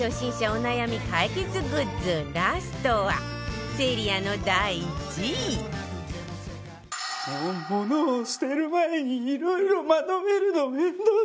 お悩み解決グッズラストは Ｓｅｒｉａ の第１位物を捨てる前にいろいろまとめるの面倒すぎるよ！